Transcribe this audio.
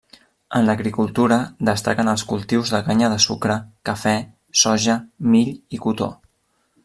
En l'agricultura destaquen els cultius de canya de sucre, cafè, soja, mill i cotó.